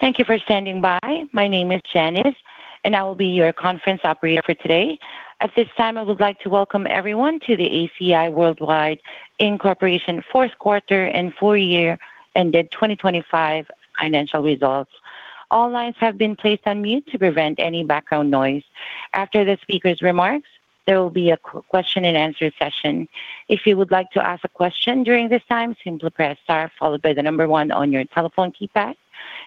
Thank you for standing by. My name is Janice, and I will be your conference operator for today. At this time, I would like to welcome everyone to the ACI Worldwide, Inc. Q4 and full year ended 2025 financial results. All lines have been placed on mute to prevent any background noise. After the speaker's remarks, there will be a question and answer session. If you would like to ask a question during this time, simply press star followed by the number one on your telephone keypad.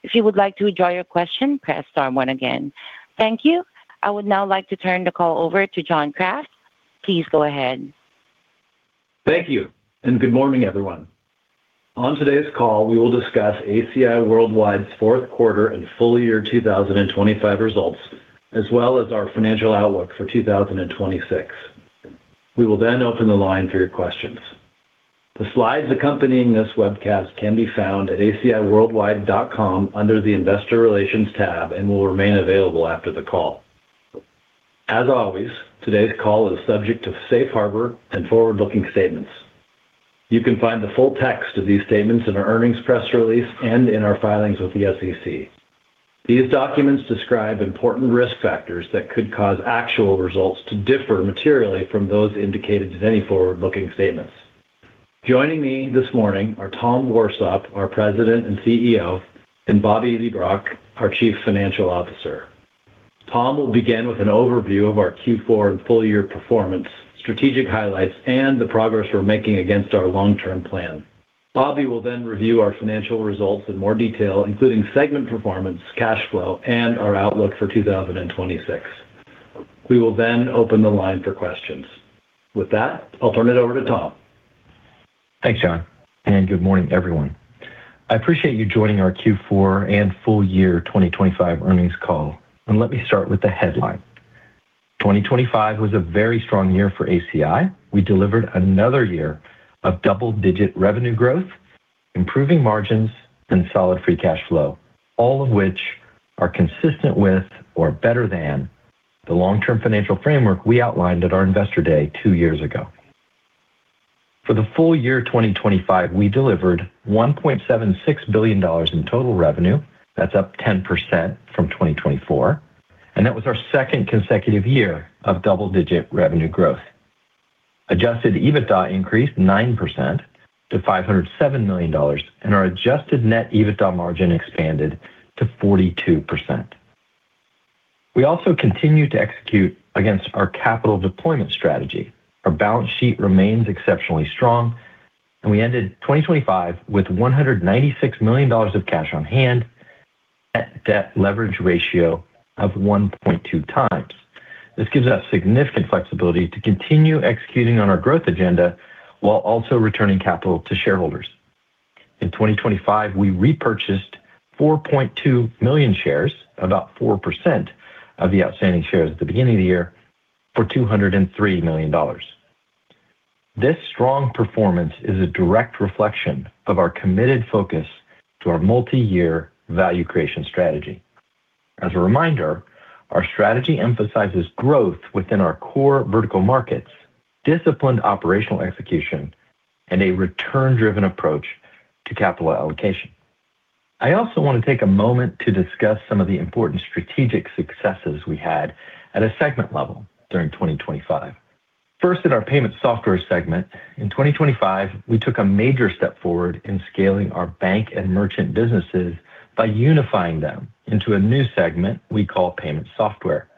If you would like to withdraw your question, press star one again. Thank you. I would now like to turn the call over to John Kraft. Please go ahead. Thank you. Good morning, everyone. On today's call, we will discuss ACI Worldwide's Q4 and full year 2025 results, as well as our financial outlook for 2026. We will open the line for your questions. The slides accompanying this webcast can be found at aciworldwide.com under the Investor Relations tab and will remain available after the call. As always, today's call is subject to safe harbor and forward-looking statements. You can find the full text of these statements in our earnings press release and in our filings with the SEC. These documents describe important risk factors that could cause actual results to differ materially from those indicated in any forward-looking statements. Joining me this morning are Thomas Warsop, our President and CEO, and Robert Leibrock, our Chief Financial Officer. Tom will begin with an overview of our Q4 and full year performance, strategic highlights, and the progress we're making against our long-term plan. Bobby will then review our financial results in more detail, including segment performance, cash flow, and our outlook for 2026. We will open the line for questions. With that, I'll turn it over to Tom. Thanks, John, and good morning, everyone. I appreciate you joining our Q4 and full year 2025 earnings call. Let me start with the headline. 2025 was a very strong year for ACI. We delivered another year of double-digit revenue growth, improving margins, and solid free cash flow, all of which are consistent with or better than the long-term financial framework we outlined at our Investor Day two years ago. For the full year 2025, we delivered $1.76 billion in total revenue. That's up 10% from 2024, and that was our second consecutive year of double-digit revenue growth. Adjusted EBITDA increased 9% to $507 million, and our adjusted net EBITDA margin expanded to 42%. We also continued to execute against our capital deployment strategy. Our balance sheet remains exceptionally strong, and we ended 2025 with $196 million of cash on hand at debt leverage ratio of 1.2x. This gives us significant flexibility to continue executing on our growth agenda while also returning capital to shareholders. In 2025, we repurchased 4.2 million shares, about 4% of the outstanding shares at the beginning of the year, for $203 million. This strong performance is a direct reflection of our committed focus to our multi-year value creation strategy. As a reminder, our strategy emphasizes growth within our core vertical markets, disciplined operational execution, and a return-driven approach to capital allocation. I also want to take a moment to discuss some of the important strategic successes we had at a segment level during 2025. First, in our Payment Software segment. In 2025, we took a major step forward in scaling our bank and merchant businesses by unifying them into a new segment we call Payment Software.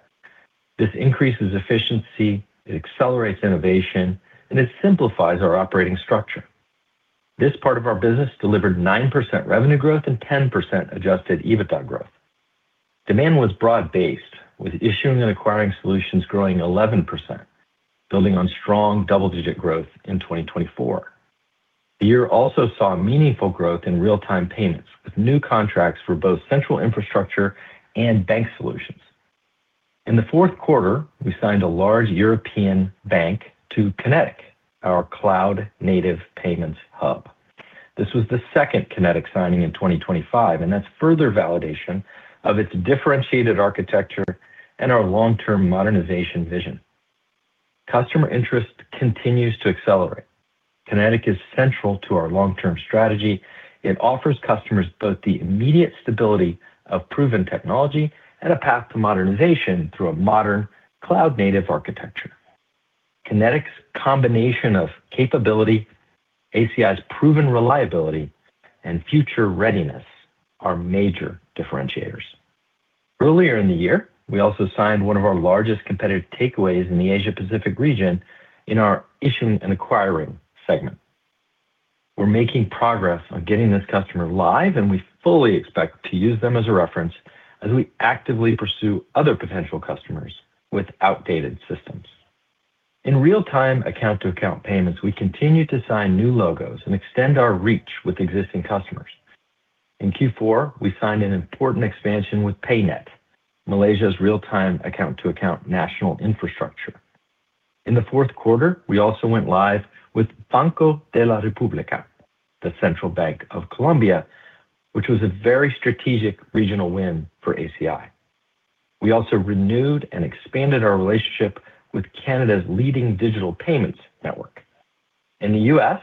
This increases efficiency, it accelerates innovation, and it simplifies our operating structure. This part of our business delivered 9% revenue growth and 10% adjusted EBITDA growth. Demand was broad-based, with issuing and acquiring solutions growing 11%, building on strong double-digit growth in 2024. The year also saw meaningful growth in real-time payments, with new contracts for both central infrastructure and bank solutions. In the Q4, we signed a large European bank to Connetic, our cloud-native payments hub. This was the second Connetic signing in 2025, that's further validation of its differentiated architecture and our long-term modernization vision. Customer interest continues to accelerate. Connetic is central to our long-term strategy. It offers customers both the immediate stability of proven technology and a path to modernization through a modern cloud-native architecture. Connetic's combination of capability, ACI's proven reliability, and future readiness are major differentiators. Earlier in the year, we also signed one of our largest competitive takeaways in the Asia Pacific region in our issuing and acquiring segment. We're making progress on getting this customer live, and we fully expect to use them as a reference as we actively pursue other potential customers with outdated systems. In real time account-to-account payments, we continue to sign new logos and extend our reach with existing customers. In Q4, we signed an important expansion with PayNet, Malaysia's real-time account-to-account national infrastructure. In the Q4, we also went live with Banco de la República, the Central Bank of Colombia, which was a very strategic regional win for ACI. We also renewed and expanded our relationship with Canada's leading digital payments network. In the US,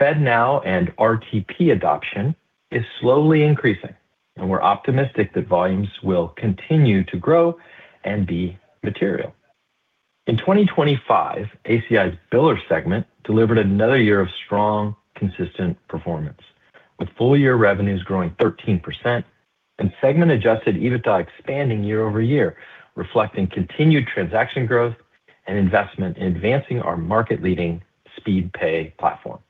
FedNow and RTP adoption is slowly increasing, and we're optimistic that volumes will continue to grow and be material. In 2025, ACI's biller segment delivered another year of strong, consistent performance, with full-year revenues growing 13% and segment-adjusted EBITDA expanding year-over-year, reflecting continued transaction growth and investment in advancing our market-leading SpeedPay platform.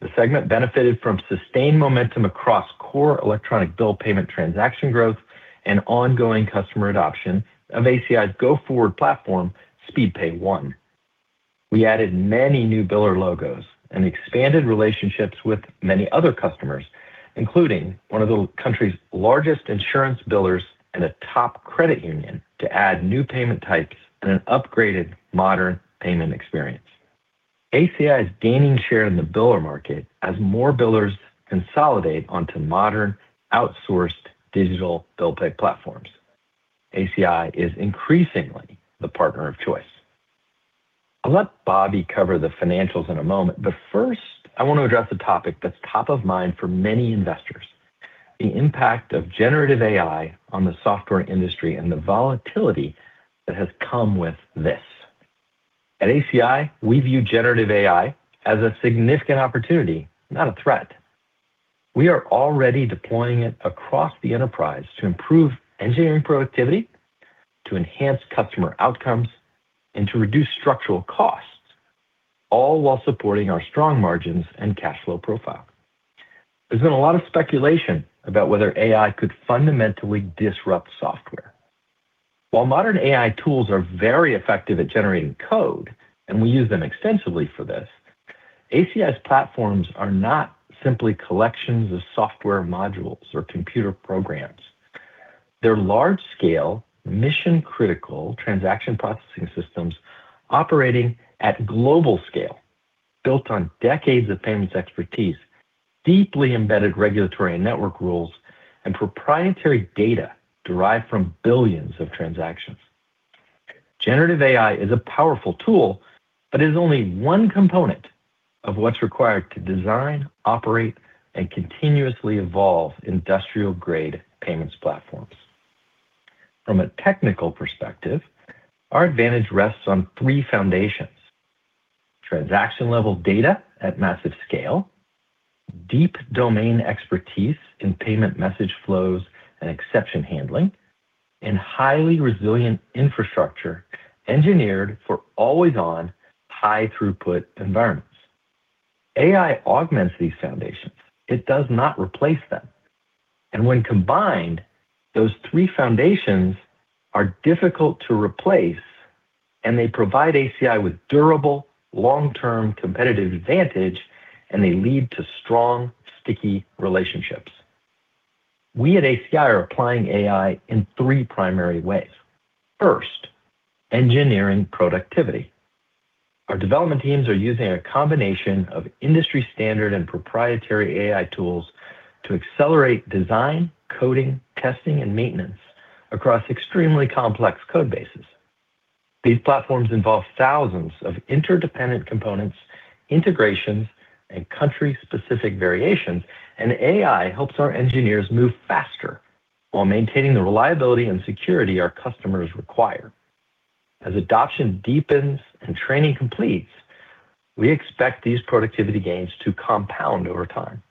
The segment benefited from sustained momentum across core electronic bill payment transaction growth and ongoing customer adoption of ACI's go-forward platform, SpeedPay One. We added many new biller logos and expanded relationships with many other customers, including one of the country's largest insurance billers and a top credit union, to add new payment types and an upgraded modern payment experience. ACI is gaining share in the biller market as more billers consolidate onto modern, outsourced digital bill pay platforms. ACI is increasingly the partner of choice. I'll let Bobby cover the financials in a moment. First, I want to address a topic that's top of mind for many investors: the impact of generative AI on the software industry and the volatility that has come with this. At ACI, we view generative AI as a significant opportunity, not a threat. We are already deploying it across the enterprise to improve engineering productivity, to enhance customer outcomes, and to reduce structural costs, all while supporting our strong margins and cash flow profile. There's been a lot of speculation about whether AI could fundamentally disrupt software. While modern AI tools are very effective at generating code, and we use them extensively for this, ACI's platforms are not simply collections of software modules or computer programs. They're large-scale, mission-critical transaction processing systems operating at global scale, built on decades of payments expertise, deeply embedded regulatory and network rules, and proprietary data derived from billions of transactions. Generative AI is a powerful tool, but it is only one component of what's required to design, operate, and continuously evolve industrial-grade payments platforms. From a technical perspective, our advantage rests on three foundations: transaction-level data at massive scale, deep domain expertise in payment message flows and exception handling, and highly resilient infrastructure engineered for always-on, high-throughput environments. AI augments these foundations. It does not replace them. When combined, those thre foundations are difficult to replace, and they provide ACI with durable, long-term competitive advantage, and they lead to strong, sticky relationships. We at ACI are applying AI in three primary ways. First, engineering productivity. Our development teams are using a combination of industry-standard and proprietary AI tools to accelerate design, coding, testing, and maintenance across extremely complex code bases. These platforms involve thousands of interdependent components, integrations, and country-specific variations, AI helps our engineers move faster while maintaining the reliability and security our customers require. As adoption deepens and training completes, we expect these productivity gains to compound over time.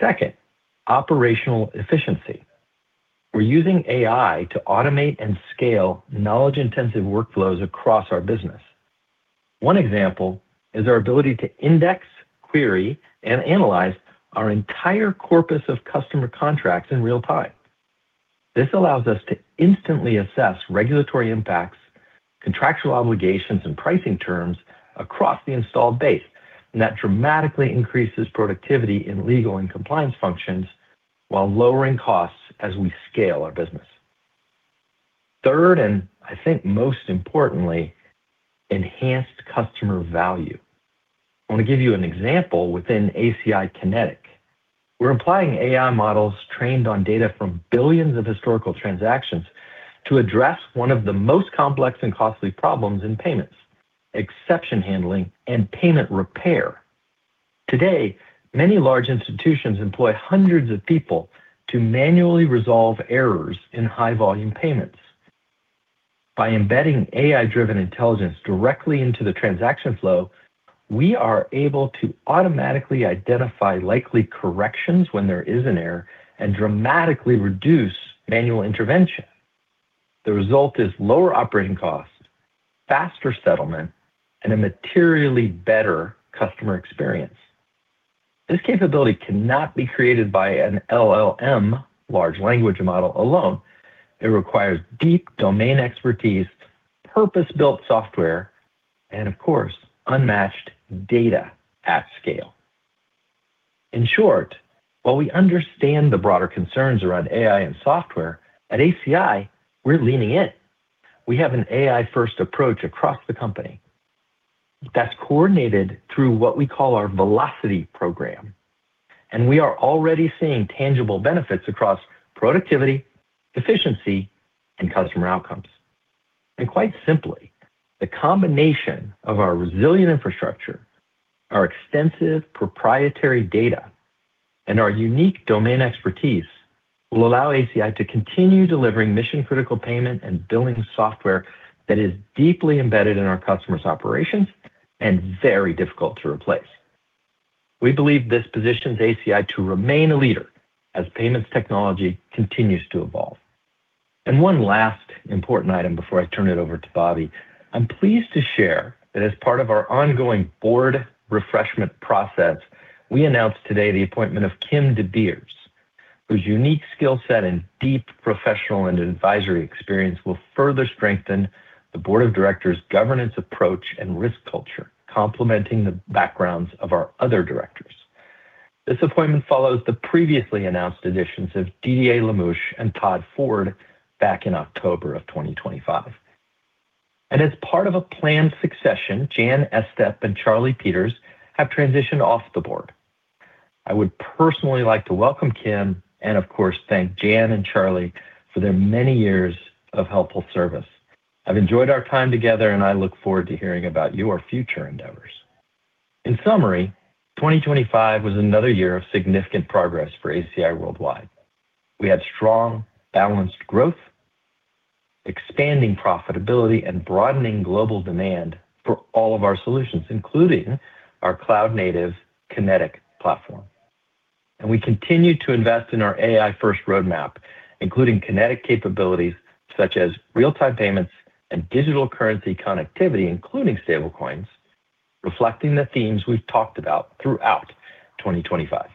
Second, operational efficiency. We're using AI to automate and scale knowledge-intensive workflows across our business. One example is our ability to index, query, and analyze our entire corpus of customer contracts in real time. This allows us to instantly assess regulatory impacts, contractual obligations, and pricing terms across the installed base, and that dramatically increases productivity in legal and compliance functions while lowering costs as we scale our business. Third, and I think most importantly, enhanced customer value. I want to give you an example within ACI Connetic. We're applying AI models trained on data from billions of historical transactions to address one of the most complex and costly problems in payments: exception handling and payment repair. Today, many large institutions employ hundreds of people to manually resolve errors in high-volume payments. By embedding AI-driven intelligence directly into the transaction flow, we are able to automatically identify likely corrections when there is an error and dramatically reduce manual intervention. The result is lower operating costs, faster settlement, and a materially better customer experience. This capability cannot be created by an LLM, large language model, alone. It requires deep domain expertise, purpose-built software, and of course, unmatched data at scale. In short, while we understand the broader concerns around AI and software, at ACI, we're leaning in. We have an AI-first approach across the company that's coordinated through what we call our Velocity program. We are already seeing tangible benefits across productivity, efficiency, and customer outcomes. Quite simply, the combination of our resilient infrastructure, our extensive proprietary data, and our unique domain expertise will allow ACI to continue delivering mission-critical payment and billing software that is deeply embedded in our customers' operations and very difficult to replace. We believe this positions ACI to remain a leader as payments technology continues to evolve. One last important item before I turn it over to Bobby. I'm pleased to share that as part of our ongoing board refreshment process, we announced today the appointment of Kim Schwendeman, whose unique skill set and deep professional and advisory experience will further strengthen the board of directors' governance approach and risk culture, complementing the backgrounds of our other directors. This appointment follows the previously announced additions of Didier Lamouche and Todd Ford back in October of 2025. As part of a planned succession, Jan Estep and Charlie Peters have transitioned off the board. I would personally like to welcome Kim, and of course, thank Jan and Charlie for their many years of helpful service. I've enjoyed our time together, and I look forward to hearing about your future endeavors. In summary, 2025 was another year of significant progress for ACI Worldwide. We had strong, balanced growth, expanding profitability, and broadening global demand for all of our solutions, including our cloud-native Connetic platform. We continued to invest in our AI-first roadmap, including Connetic capabilities such as real-time payments and digital currency connectivity, including stablecoins, reflecting the themes we've talked about throughout 2025.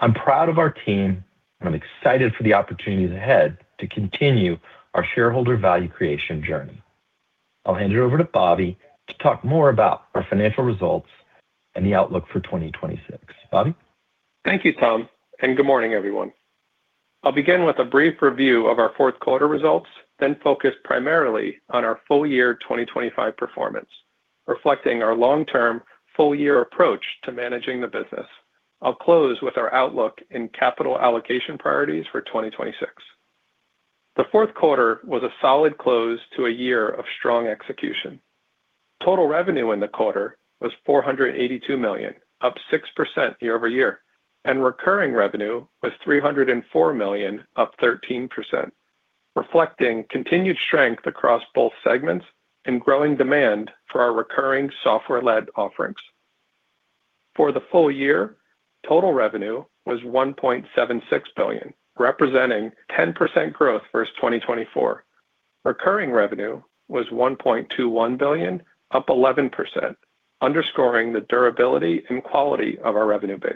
I'm proud of our team, I'm excited for the opportunities ahead to continue our shareholder value creation journey. I'll hand it over to Bobby to talk more about our financial results and the outlook for 2026. Bobby? Thank you, Tom, and good morning, everyone. I'll begin with a brief review of our Q4 results, then focus primarily on our full year 2025 performance, reflecting our long-term, full-year approach to managing the business. I'll close with our outlook and capital allocation priorities for 2026. The Q4 was a solid close to a year of strong execution. Total revenue in the quarter was $482 million, up 6% year-over-year, and recurring revenue was $304 million, up 13%, reflecting continued strength across both segments and growing demand for our recurring software-led offerings. For the full year, total revenue was $1.76 billion, representing 10% growth versus 2024. Recurring revenue was $1.21 billion, up 11%, underscoring the durability and quality of our revenue base.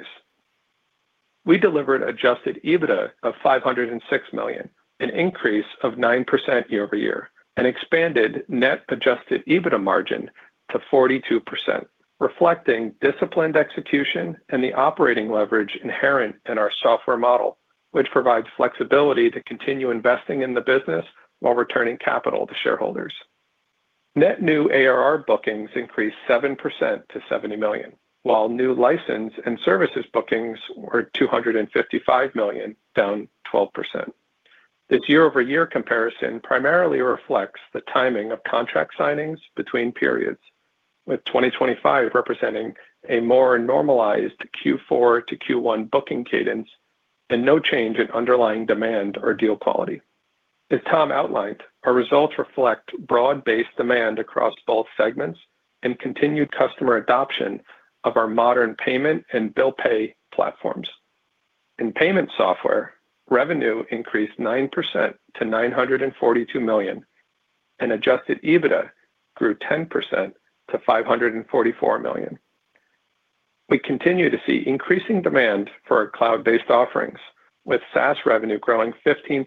We delivered adjusted EBITDA of $506 million, an increase of 9% year-over-year, and expanded net adjusted EBITDA margin to 42%, reflecting disciplined execution and the operating leverage inherent in our software model, which provides flexibility to continue investing in the business while returning capital to shareholders. Net new ARR bookings increased 7% to $70 million, while new license and services bookings were $255 million, down 12%. This year-over-year comparison primarily reflects the timing of contract signings between periods, with 2025 representing a more normalized Q4 to Q1 booking cadence and no change in underlying demand or deal quality. As Thomas Warsop outlined, our results reflect broad-based demand across both segments and continued customer adoption of our modern payment and bill pay platforms. In Payment Software, revenue increased 9% to $942 million. Adjusted EBITDA grew 10% to $544 million. We continue to see increasing demand for our cloud-based offerings, with SaaS revenue growing 15%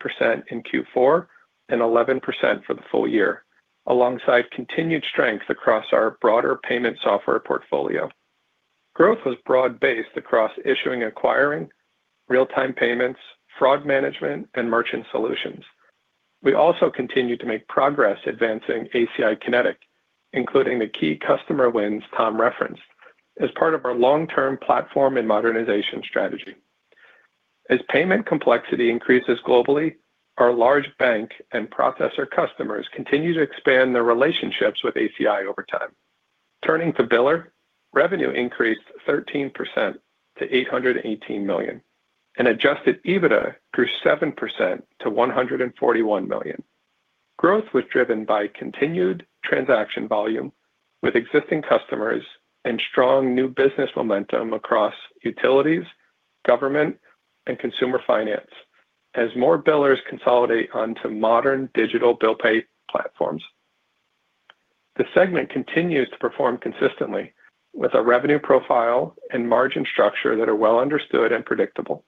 in Q4 and 11% for the full year, alongside continued strength across our broader Payment Software portfolio. Growth was broad-based across issuing and acquiring, real-time payments, fraud management, and merchant solutions. We also continued to make progress advancing ACI Connetic, including the key customer wins Tom referenced as part of our long-term platform and modernization strategy. As payment complexity increases globally, our large bank and processor customers continue to expand their relationships with ACI over time. Turning to biller, revenue increased 13% to $818 million. Adjusted EBITDA grew 7% to $141 million. Growth was driven by continued transaction volume with existing customers and strong new business momentum across utilities, government, and consumer finance as more billers consolidate onto modern digital bill pay platforms. The segment continues to perform consistently with a revenue profile and margin structure that are well understood and predictable.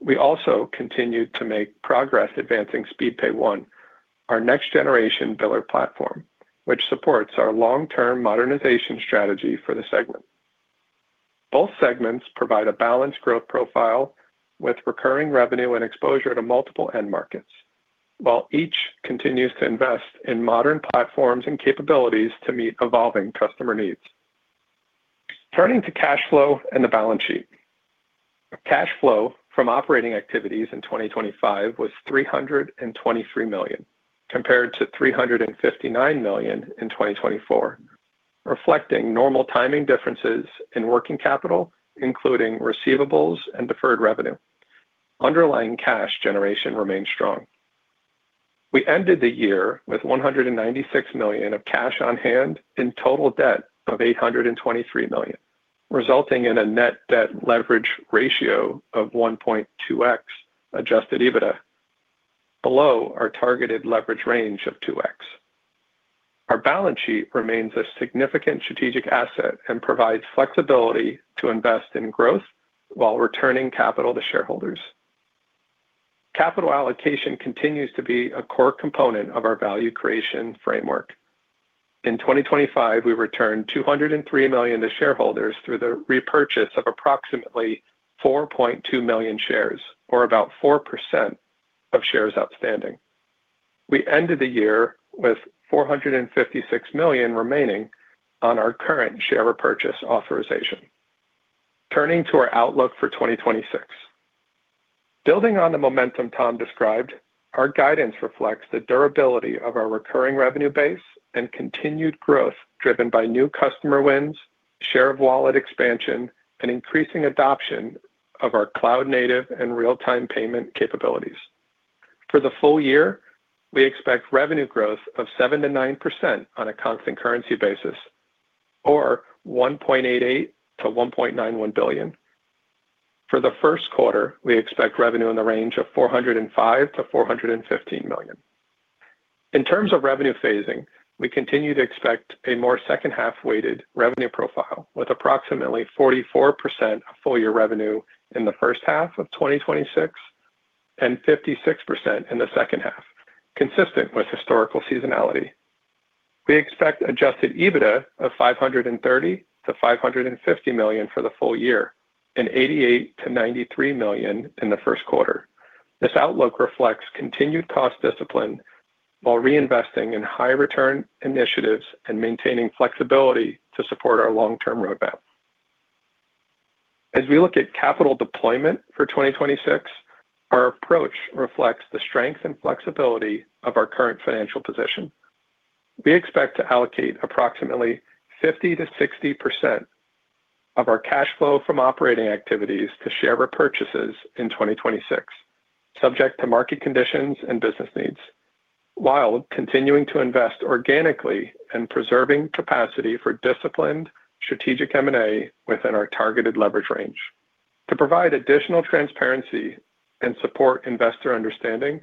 We also continued to make progress advancing SpeedPay One, our next-generation biller platform, which supports our long-term modernization strategy for the segment. Both segments provide a balanced growth profile with recurring revenue and exposure to multiple end markets. Each continues to invest in modern platforms and capabilities to meet evolving customer needs. Turning to cash flow and the balance sheet. Cash flow from operating activities in 2025 was $323 million, compared to $359 million in 2024, reflecting normal timing differences in working capital, including receivables and deferred revenue. Underlying cash generation remains strong. We ended the year with $196 million of cash on hand and total debt of $823 million, resulting in a net debt leverage ratio of 1.2x adjusted EBITDA, below our targeted leverage range of 2x. Our balance sheet remains a significant strategic asset and provides flexibility to invest in growth while returning capital to shareholders. Capital allocation continues to be a core component of our value creation framework. In 2025, we returned $203 million to shareholders through the repurchase of approximately 4.2 million shares, or about 4% of shares outstanding. We ended the year with $456 million remaining on our current share repurchase authorization. Turning to our outlook for 2026. Building on the momentum Tom described, our guidance reflects the durability of our recurring revenue base and continued growth, driven by new customer wins, share of wallet expansion, and increasing adoption of our cloud-native and real-time payment capabilities. For the full year, we expect revenue growth of 7-9% on a constant currency basis, or $1.88 billion-1.91 billion. For theQ1, we expect revenue in the range of $405 million-415 million. In terms of revenue phasing, we continue to expect a more H2-weighted revenue profile, with approximately 44% of full year revenue in the H1 of 2026 and 56% in the H2, consistent with historical seasonality. We expect adjusted EBITDA of $530 million-550 million for the full year and $88 million-93 million in theQ1. This outlook reflects continued cost discipline while reinvesting in high return initiatives and maintaining flexibility to support our long-term roadmap. As we look at capital deployment for 2026, our approach reflects the strength and flexibility of our current financial position. We expect to allocate approximately 50-60% of our cash flow from operating activities to share repurchases in 2026, subject to market conditions and business needs, while continuing to invest organically and preserving capacity for disciplined strategic M&A within our targeted leverage range. To provide additional transparency and support investor understanding,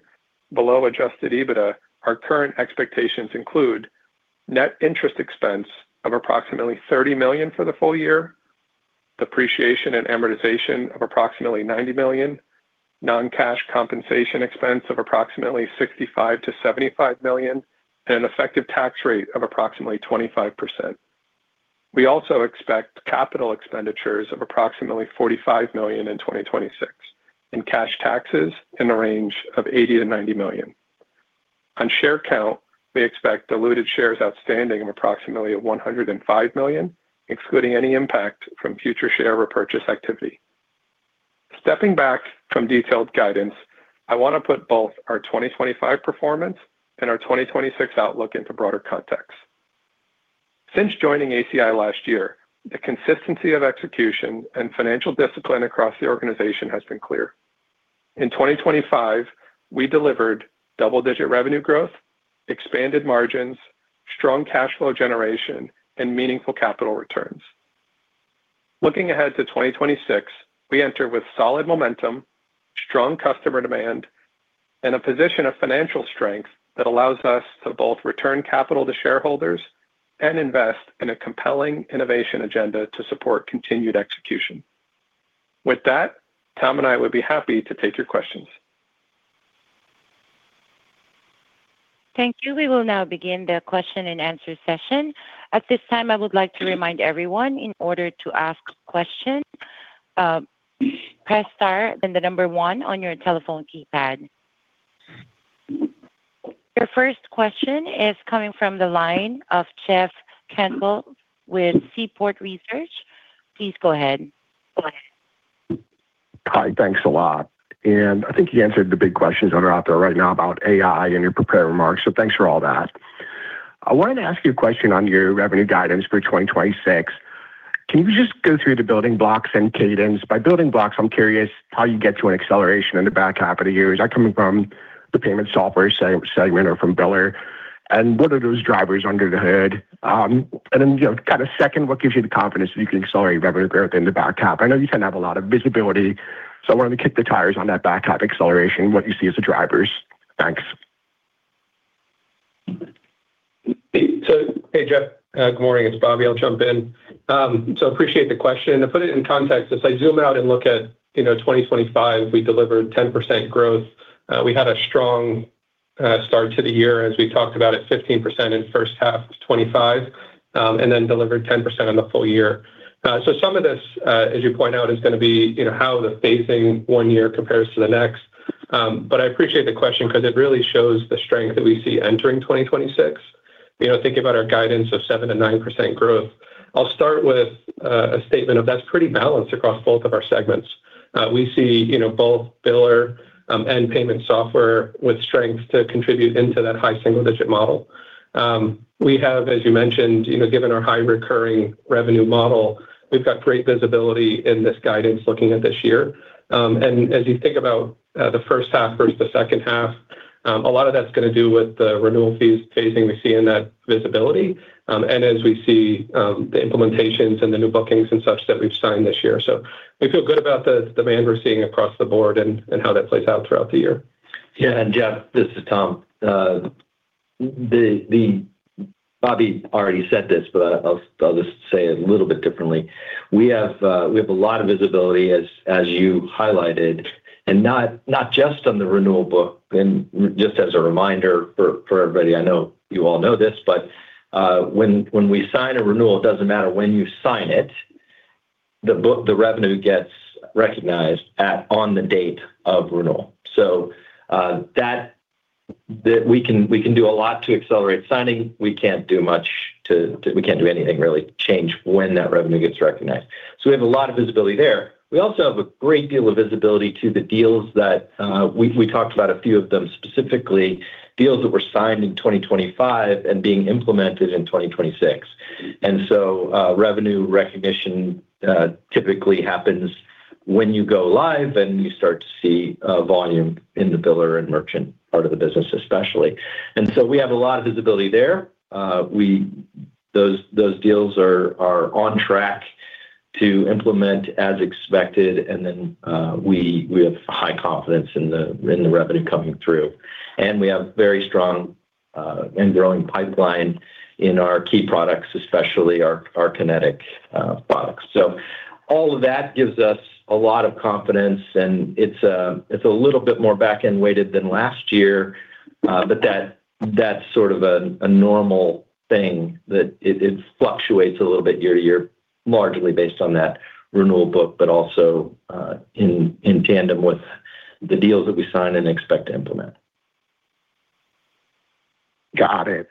below adjusted EBITDA, our current expectations include net interest expense of approximately $30 million for the full year, depreciation and amortization of approximately $90 million, non-cash compensation expense of approximately $65 million-75 million, and an effective tax rate of approximately 25%. We also expect capital expenditures of approximately $45 million in 2026 and cash taxes in the range of $80 million-90 million. On share count, we expect diluted shares outstanding of approximately 105 million, excluding any impact from future share repurchase activity. Stepping back from detailed guidance, I want to put both our 2025 performance and our 2026 outlook into broader context. Since joining ACI last year, the consistency of execution and financial discipline across the organization has been clear. In 2025, we delivered double-digit revenue growth, expanded margins, strong cash flow generation, and meaningful capital returns. Looking ahead to 2026, we enter with solid momentum, strong customer demand, and a position of financial strength that allows us to both return capital to shareholders and invest in a compelling innovation agenda to support continued execution. With that, Tom and I would be happy to take your questions. Thank you. We will now begin the question-and-answer session. At this time, I would like to remind everyone, in order to ask questions, press star, then one on your telephone keypad. Your first question is coming from the line of Jeff Cantwell with Seaport Research. Please go ahead. Hi. Thanks a lot. I think you answered the big questions that are out there right now about AI in your prepared remarks, so thanks for all that. I wanted to ask you a question on your revenue guidance for 2026. Can you just go through the building blocks and cadence? By building blocks, I'm curious how you get to an acceleration in the back half of the year. Is that coming from the Payment Software segment or from biller? What are those drivers under the hood? you know, kind of second, what gives you the confidence that you can accelerate revenue growth in the back half? I know you tend to have a lot of visibility, so I wanted to kick the tires on that back half acceleration and what you see as the drivers. Thanks. Hey, Jeff, good morning. It's Bobby. I'll jump in. Appreciate the question. To put it in context, as I zoom out and look at, you know, 2025, we delivered 10% growth. We had a strong start to the year, as we talked about it, 15% in the H1 of 2025.... delivered 10% on the full year. Some of this, as you point out, is gonna be how the phasing one year compares to the next. I appreciate the question because it really shows the strength that we see entering 2026. Think about our guidance of 7-9% growth. I'll start with a statement of that's pretty balanced across both of our segments. We see both biller and Payment Software with strength to contribute into that high single-digit model. We have, as you mentioned, given our high recurring revenue model, we've got great visibility in this guidance looking at this year. As you think about the H1 versus the H2, a lot of that's gonna do with the renewal fees phasing we see in that visibility, and as we see the implementations and the new bookings and such that we've signed this year. We feel good about the demand we're seeing across the board and how that plays out throughout the year. Yeah, Jeff, this is Tom. Bobby already said this, but I'll just say it a little bit differently. We have a lot of visibility as you highlighted, and not just on the renewal book. Just as a reminder for everybody, I know you all know this, but when we sign a renewal, it doesn't matter when you sign it, the revenue gets recognized at on the date of renewal. That we can do a lot to accelerate signing. We can't do much. We can't do anything really to change when that revenue gets recognized. We have a lot of visibility there. We also have a great deal of visibility to the deals that we talked about a few of them, specifically deals that were signed in 2025 and being implemented in 2026. So, revenue recognition typically happens when you go live, and you start to see volume in the biller and merchant part of the business, especially. So we have a lot of visibility there. Those deals are on track to implement as expected, then we have high confidence in the revenue coming through. We have very strong, and growing pipeline in our key products, especially our Connetic products. All of that gives us a lot of confidence, and it's a little bit more back-end weighted than last year, but that's sort of a normal thing, that it fluctuates a little bit year to year, largely based on that renewal book, but also, in tandem with the deals that we sign and expect to implement. Got it.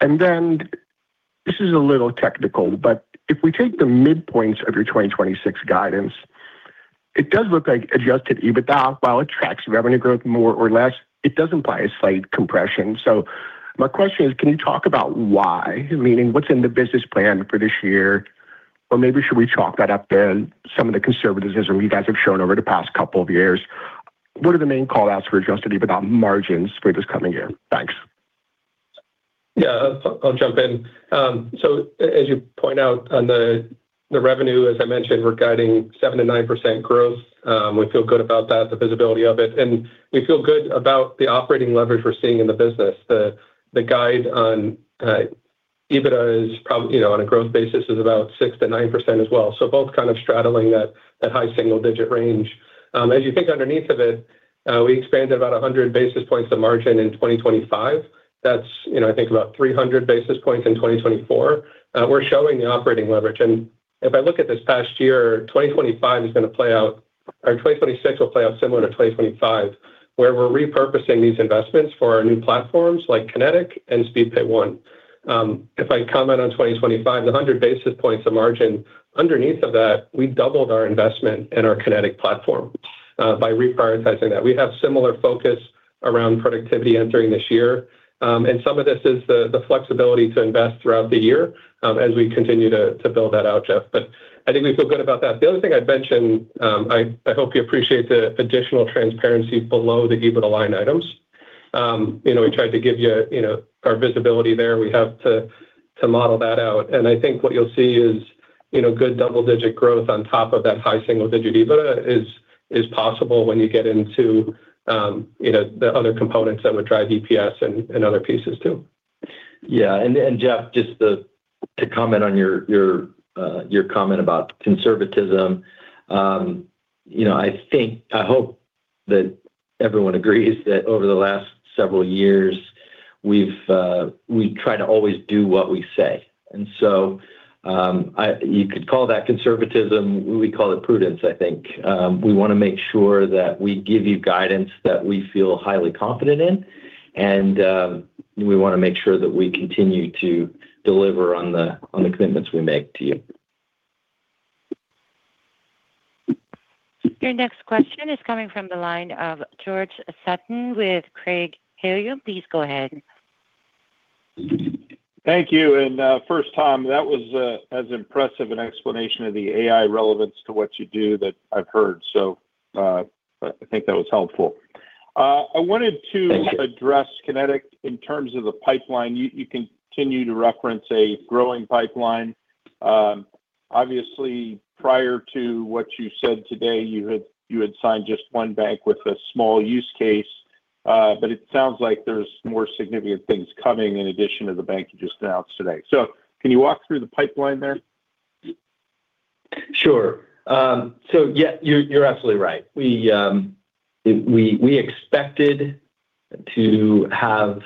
This is a little technical, but if we take the midpoints of your 2026 guidance, it does look like adjusted EBITDA, while it tracks revenue growth more or less, it does imply a slight compression. My question is, can you talk about why? Meaning, what's in the business plan for this year? Maybe should we chalk that up to some of the conservatism you guys have shown over the past couple of years. What are the main call-outs for adjusted EBITDA margins for this coming year? Thanks. Yeah, I'll jump in. As you point out on the revenue, as I mentioned, we're guiding 7-9% growth. We feel good about that, the visibility of it, and we feel good about the operating leverage we're seeing in the business. The guide on EBITDA is probably, you know, on a growth basis, is about 6-9% as well. Both kind of straddling that high single-digit range. As you think underneath of it, we expanded about 100 basis points of margin in 2025. That's, you know, I think about 300 basis points in 2024. We're showing the operating leverage. If I look at this past year, 2025 is gonna play out or 2026 will play out similar to 2025, where we're repurposing these investments for our new platforms like Connetic and SpeedPay One. If I comment on 2025, the 100 basis points of margin, underneath of that, we doubled our investment in our Connetic platform by reprioritizing that. We have similar focus around productivity entering this year, and some of this is the flexibility to invest throughout the year as we continue to build that out, Jeff. I think we feel good about that. The other thing I'd mention, I hope you appreciate the additional transparency below the EBITDA line items. You know, we tried to give you know, our visibility there. We have to model that out, I think what you'll see is, you know, good double-digit growth on top of that high single-digit EBITDA is possible when you get into, you know, the other components that would drive EPS and other pieces too. Yeah, and Jeff, just to comment on your comment about conservatism. You know, I think, I hope that everyone agrees that over the last several years, we've, we try to always do what we say. You could call that conservatism. We call it prudence, I think. We wanna make sure that we give you guidance that we feel highly confident in, and we wanna make sure that we continue to deliver on the commitments we make to you. Your next question is coming from the line of George Sutton with Craig-Hallum. Please go ahead. Thank you. First, Tom, that was as impressive an explanation of the AI relevance to what you do that I've heard. I think that was helpful. I wanted to- Thank you. -address Connetic in terms of the pipeline. You continue to reference a growing pipeline. Obviously, prior to what you said today, you had signed just one bank with a small use case, but it sounds like there's more significant things coming in addition to the bank you just announced today. Can you walk through the pipeline there? Sure. Yeah, you're absolutely right. We expected to have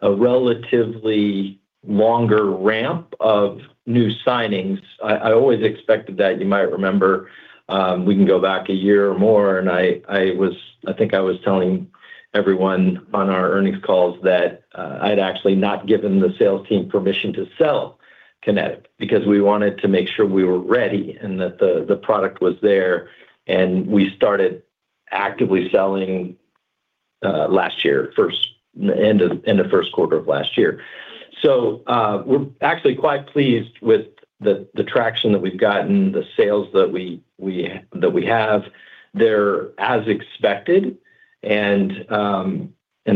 a relatively longer ramp of new signings. I always expected that. You might remember, we can go back a year or more, I think I was telling everyone on our earnings calls that I'd actually not given the sales team permission to sell Connetic because we wanted to make sure we were ready and that the product was there, and we started actively selling last year, end of 1st quarter of last year. We're actually quite pleased with the traction that we've gotten, the sales that we have. They're as expected,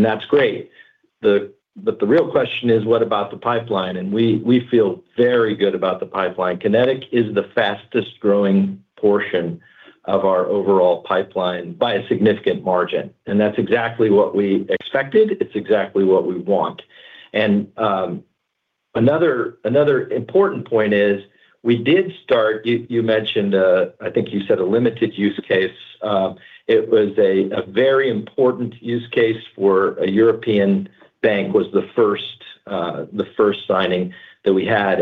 that's great. The real question is: What about the pipeline? We feel very good about the pipeline. Connetic is the fastest-growing portion of our overall pipeline by a significant margin. That's exactly what we expected, it's exactly what we want. Another important point is we did start. You mentioned, I think you said a limited use case. It was a very important use case for a European bank, was the first signing that we had.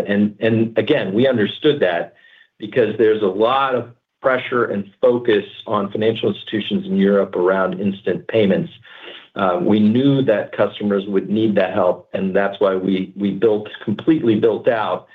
Again, we understood that because there's a lot of pressure and focus on financial institutions in Europe around instant payments. We knew that customers would need that help. That's why we completely built out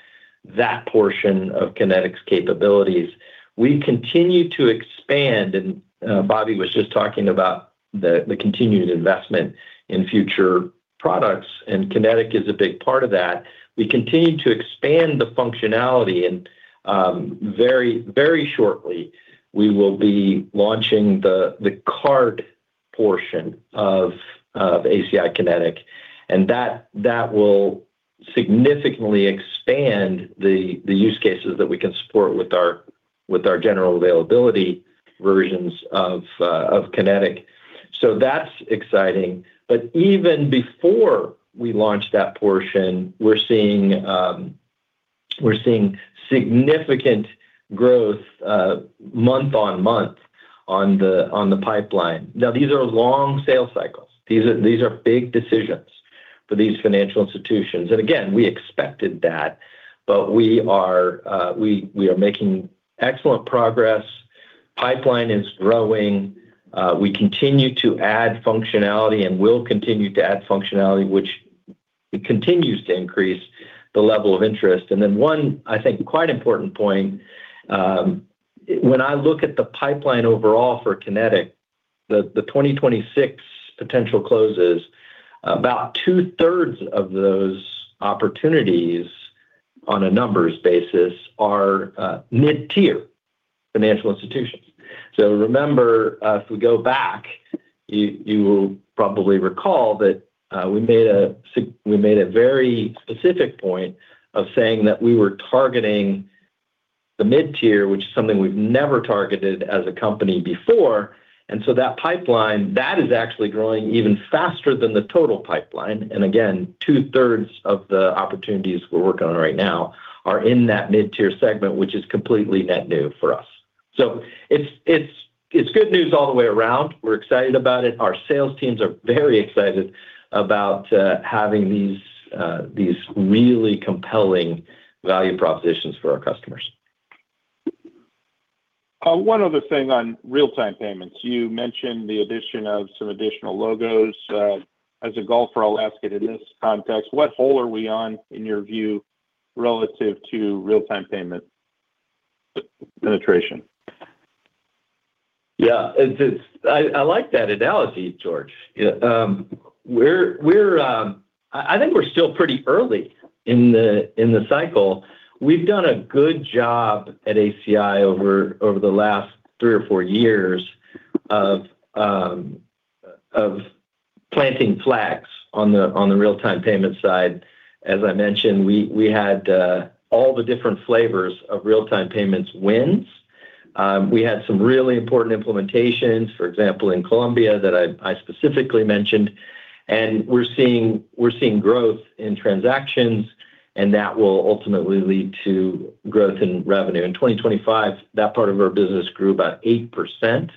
that portion of Connetic's capabilities. We continue to expand. Bobby was just talking about the continued investment in future products. Connetic is a big part of that. We continue to expand the functionality. Very shortly, we will be launching the card portion of ACI Connetic, and that will significantly expand the use cases that we can support with our general availability versions of Connetic. That's exciting. Even before we launched that portion, we're seeing significant growth month-on-month on the pipeline. These are long sales cycles. These are big decisions for these financial institutions. Again, we expected that, but we are making excellent progress. Pipeline is growing. We continue to add functionality and will continue to add functionality, which it continues to increase the level of interest. One, I think, quite important point, when I look at the pipeline overall for Connetic, the 2026 potential closes, about 2/3 of those opportunities, on a numbers basis, are mid-tier financial institutions. Remember, if we go back, you will probably recall that we made a very specific point of saying that we were targeting the mid-tier, which is something we've never targeted as a company before. That pipeline, that is actually growing even faster than the total pipeline. Again, 2/3 of the opportunities we're working on right now are in that mid-tier segment, which is completely net new for us. It's good news all the way around. We're excited about it. Our sales teams are very excited about having these really compelling value propositions for our customers. One other thing on real-time payments. You mentioned the addition of some additional logos. As a golfer, I'll ask it in this context: What hole are we on, in your view, relative to real-time payment penetration? Yeah, I like that analogy, George. Yeah, I think we're still pretty early in the cycle. We've done a good job at ACI over the last three or four years of planting flags on the real-time payments side. As I mentioned, we had all the different flavors of real-time payments wins. We had some really important implementations, for example, in Colombia, that I specifically mentioned, and we're seeing growth in transactions, and that will ultimately lead to growth in revenue. In 2025, that part of our business grew by 8%,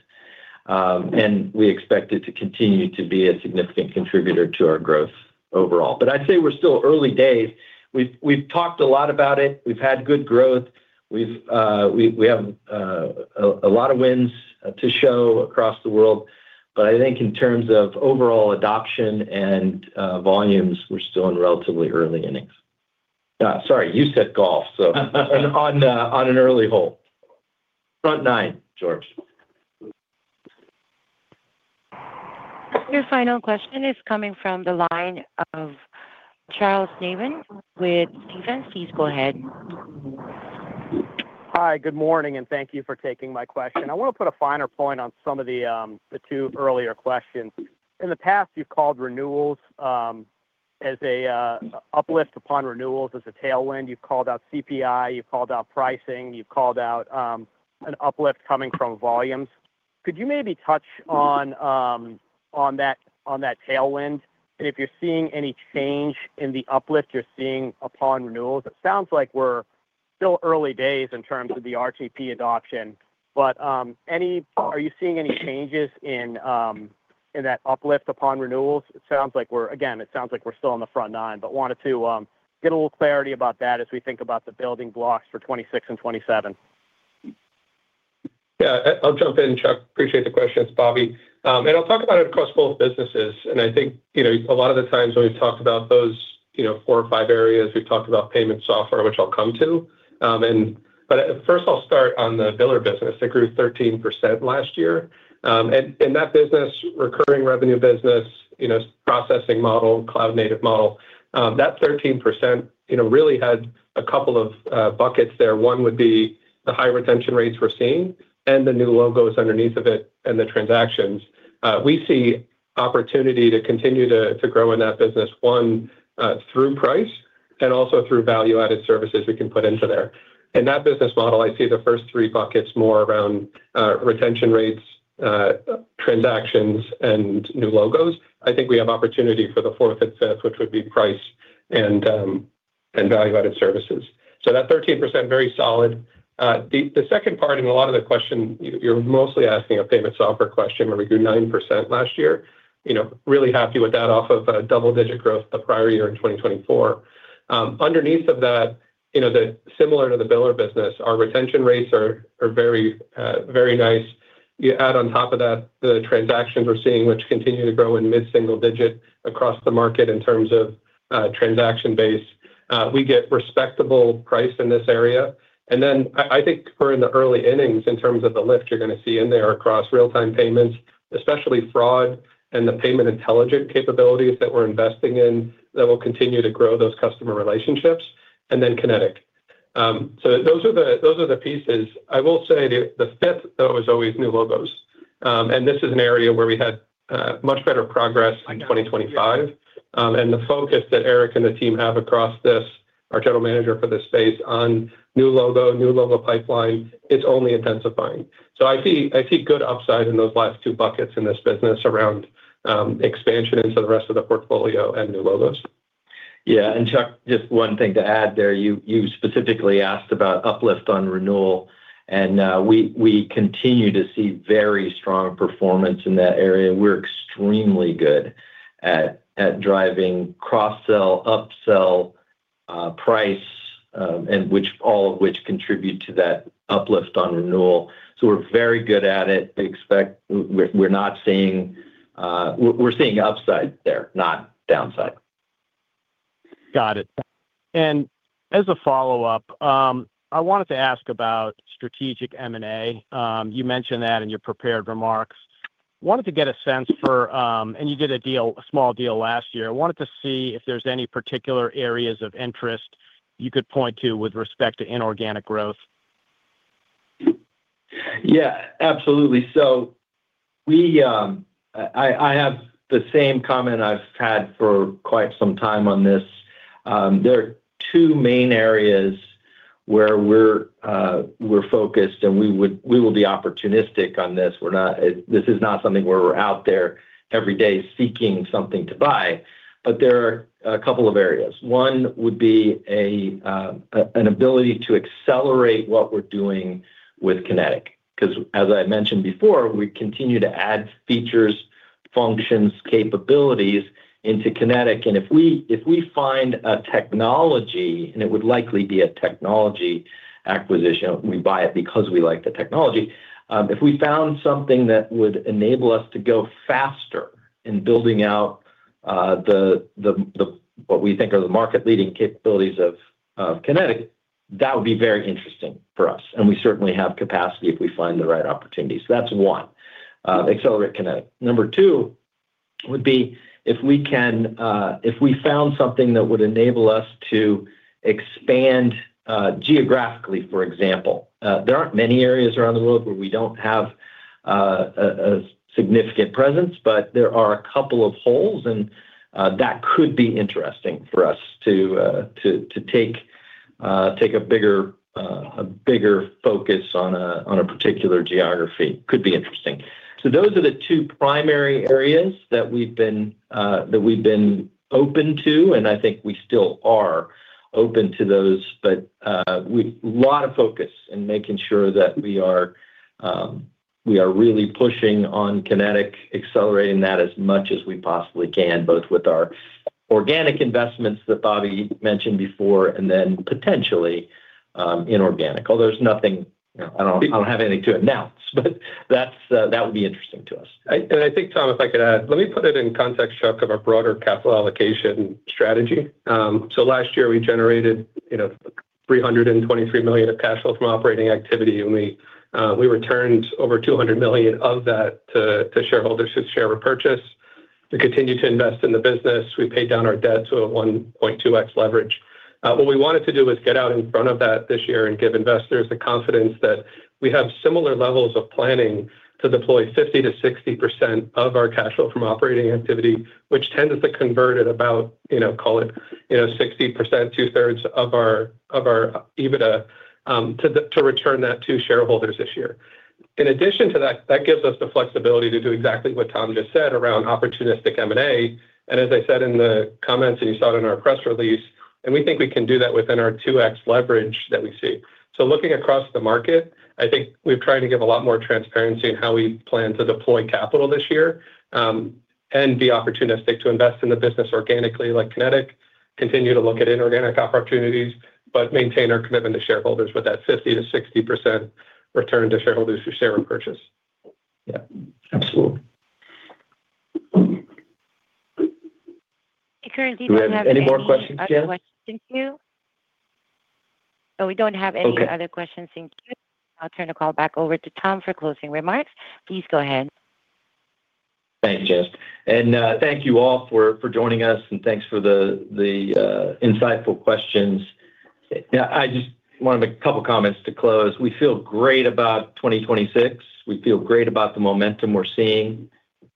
and we expect it to continue to be a significant contributor to our growth overall. I'd say we're still early days. We've talked a lot about it. We've had good growth. We've we have a lot of wins to show across the world, but I think in terms of overall adoption and volumes, we're still in relatively early innings. Sorry, you said golf, so on an early hole. Front nine, George. Your final question is coming from the line of Charles Nabhan with Stephens. Please go ahead. Hi, good morning. Thank you for taking my question. I want to put a finer point on some of the two earlier questions. In the past, you've called renewals as a uplift upon renewals, as a tailwind. You've called out CPI, you've called out pricing, you've called out an uplift coming from volumes. Could you maybe touch on that tailwind, and if you're seeing any change in the uplift you're seeing upon renewals? It sounds like we're still early days in terms of the RTP adoption, but are you seeing any changes in that uplift upon renewals? It sounds like we're, again, still on the front nine, but wanted to get a little clarity about that as we think about the building blocks for 2026 and 2027. Yeah. I'll jump in, Chuck. Appreciate the questions, Bobby. I'll talk about it across both businesses, and I think, you know, a lot of the times when we've talked about those, you know, four or five areas, we've talked about Payment Software, which I'll come to. First, I'll start on the biller business. It grew 13% last year, and that business, recurring revenue business, you know, processing model, cloud-native model, that 13%, you know, really had a couple of buckets there. One would be the high retention rates we're seeing and the new logos underneath of it and the transactions. We see opportunity to continue to grow in that business, one, through price, and also through value-added services we can put into there. In that business model, I see the first three buckets more around retention rates, transactions, and new logos. I think we have opportunity for the fourth and fifth, which would be price and value-added services. That 13%, very solid. The second part, and a lot of the question, you're mostly asking a Payment Software question, where we grew 9% last year. You know, really happy with that off of a double-digit growth the prior year in 2024. Underneath of that, you know, similar to the biller business, our retention rates are very nice. You add on top of that, the transactions we're seeing, which continue to grow in mid-single digit across the market in terms of transaction base, we get respectable price in this area. I think we're in the early innings in terms of the lift you're gonna see in there across real-time payments, especially fraud and the payment intelligent capabilities that we're investing in, that will continue to grow those customer relationships, and then Connetic. Those are the pieces. I will say the fifth, though, is always new logos. This is an area where we had much better progress in 2025, and the focus that Eric and the team have across this, our general manager for this space, on new logo pipeline, it's only intensifying. I see good upside in those last two buckets in this business around expansion into the rest of the portfolio and new logos. Yeah, Chuck, just one thing to add there. You specifically asked about uplift on renewal, and we continue to see very strong performance in that area. We're extremely good at driving cross-sell, upsell, price, and all of which contribute to that uplift on renewal, so we're very good at it. Expect we're not seeing. We're seeing upside there, not downside. Got it. As a follow-up, I wanted to ask about strategic M&A. You mentioned that in your prepared remarks. Wanted to get a sense for, and you did a deal, a small deal last year. I wanted to see if there's any particular areas of interest you could point to with respect to inorganic growth. Yeah, absolutely. We, I have the same comment I've had for quite some time on this. There are two main areas where we're focused, and we will be opportunistic on this. We're not, this is not something where we're out there every day seeking something to buy, but there are a couple of areas. One would be an ability to accelerate what we're doing with Connetic. As I mentioned before, we continue to add features, functions, capabilities into Connetic, and if we, if we find a technology, and it would likely be a technology acquisition, we buy it because we like the technology. If we found something that would enable us to go faster in building out the what we think are the market-leading capabilities of Connetic, that would be very interesting for us. We certainly have capacity if we find the right opportunity. That's one, accelerate Connetic. Number two would be if we can, if we found something that would enable us to expand geographically, for example. There aren't many areas around the world where we don't have a significant presence, there are a couple of holes, that could be interesting for us to take a bigger focus on a particular geography. Could be interesting. Those are the two primary areas that we've been, that we've been open to, and I think we still are open to those. Lot of focus in making sure that we are, we are really pushing on ACI Connetic, accelerating that as much as we possibly can, both with our organic investments that Bobby mentioned before, and then potentially, inorganic. There's nothing, I don't have anything to announce, but that's, that would be interesting to us. I, and I think, Tom, if I could add. Let me put it in context, Chuck, of our broader capital allocation strategy. Last year, we generated, you know, $323 million of cash flow from operating activity, and we returned over $200 million of that to shareholders through share repurchase. To continue to invest in the business, we paid down our debt to a 1.2x leverage. What we wanted to do was get out in front of that this year and give investors the confidence that we have similar levels of planning to deploy 50-60% of our cash flow from operating activity, which tends to convert at about, you know, call it, you know, 60%, two-thirds of our, of our EBITDA, to return that to shareholders this year. In addition to that gives us the flexibility to do exactly what Tom just said around opportunistic M&A, and as I said in the comments, and you saw it in our press release, and we think we can do that within our 2x leverage that we see. Looking across the market, I think we've tried to give a lot more transparency in how we plan to deploy capital this year, and be opportunistic to invest in the business organically, like Connetic, continue to look at inorganic opportunities, but maintain our commitment to shareholders with that 50-60% return to shareholders through share repurchase. Yeah, absolutely. Currently, we don't have any other questions in queue. Do we have any more questions, Jess? So we don't have any- Okay. other questions in queue. I'll turn the call back over to Tom for closing remarks. Please go ahead. Thank you, Jess. Thank you all for joining us, and thanks for the insightful questions. I just wanted a couple of comments to close. We feel great about 2026. We feel great about the momentum we're seeing.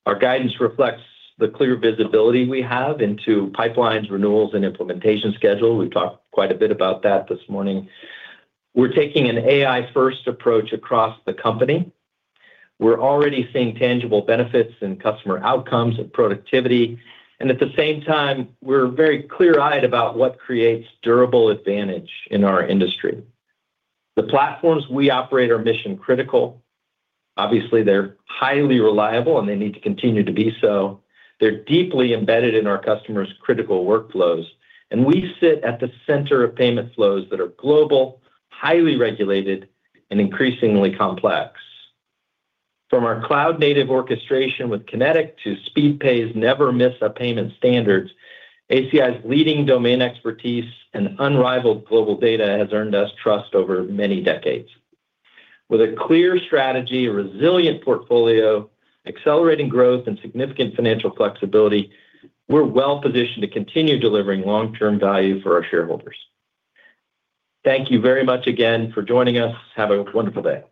Our guidance reflects the clear visibility we have into pipelines, renewals, and implementation schedule. We've talked quite a bit about that this morning. We're taking an AI-first approach across the company. We're already seeing tangible benefits in customer outcomes and productivity, and at the same time, we're very clear-eyed about what creates durable advantage in our industry. The platforms we operate are mission-critical. Obviously, they're highly reliable, and they need to continue to be so. They're deeply embedded in our customers' critical workflows, and we sit at the center of payment flows that are global, highly regulated, and increasingly complex. From our cloud-native orchestration with Connetic to Speedpay's never-miss-a-payment standards, ACI's leading domain expertise and unrivaled global data has earned us trust over many decades. With a clear strategy, a resilient portfolio, accelerating growth, and significant financial flexibility, we're well-positioned to continue delivering long-term value for our shareholders. Thank you very much again for joining us. Have a wonderful day.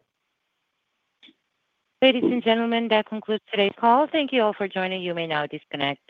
Ladies and gentlemen, that concludes today's call. Thank you all for joining. You may now disconnect.